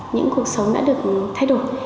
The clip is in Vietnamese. những cuộc sống đã được thay đổi